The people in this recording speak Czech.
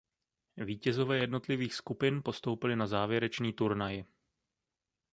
Vítězové jednotlivých skupin postoupili na závěrečný turnaj.